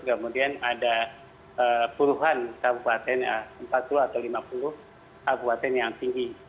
kemudian ada puluhan kabupaten empat puluh atau lima puluh kabupaten yang tinggi